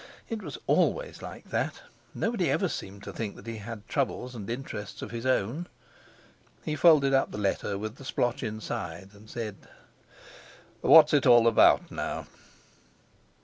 It was always like that! Nobody ever seemed to think that he had troubles and interests of his own. He folded up the letter with the splotch inside, and said: "What's it all about, now?"